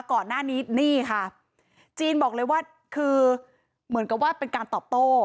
ก่อนหน้านี้นี่ค่ะจีนบอกเลยว่าคือเหมือนกับว่าเป็นการตอบโต้